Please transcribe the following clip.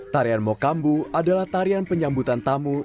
tarian mokambu adalah tarian penyambutan tamu